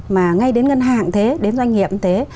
mà ngay đến ngân hàng thế đến doanh nghiệp như thế